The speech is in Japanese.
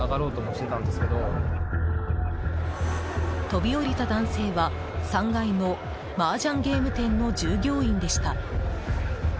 飛び降りた男性は３階の麻雀ゲーム店の従業員でした。